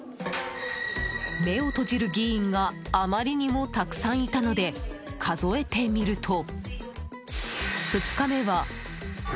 目を閉じる議員があまりにもたくさんいたので数えてみると。